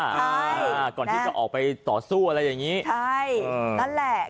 อ่าก่อนที่จะออกไปต่อสู้อะไรอย่างงี้ใช่นั่นแหละ